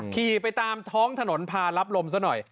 ขี่ไปตามท้องถนนพารับลมซะหน่อย